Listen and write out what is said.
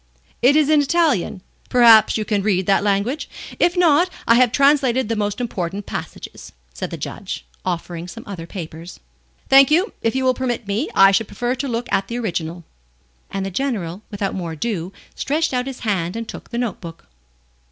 "It is in Italian. Perhaps you can read that language? If not, I have translated the most important passages," said the Judge, offering some other papers. "Thank you; if you will permit me, I should prefer to look at the original;" and the General, without more ado, stretched out his hand and took the note book.